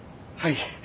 はい。